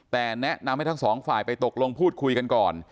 แต่แนะนำให้ทั้งสองฝ่ายไปตกลงพูดคุยกันก่อน